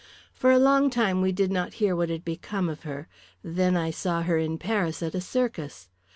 For a long time we did not hear what had become of her. Then I saw her in Paris at a circus.